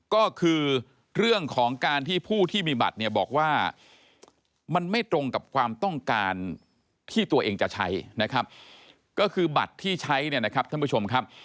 ก็คือเรื่องของการที่ผู้ที่มีบัตรเนี่ยบอกว่ามันไม่ตรงกับความต้องการที่ตัวเองจะใช้นะครับก็คือบัตรที่ใช้เนี่ยนะครับท่านผู้ชมครับ